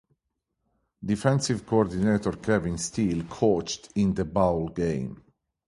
Defensive coordinator Kevin Steele coached in the bowl game.